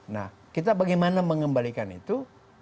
nah kita bagaimana mengembalikan itu